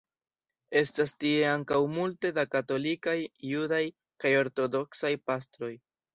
Estas tie ankaŭ multe da katolikaj, judaj kaj ortodoksaj pastroj.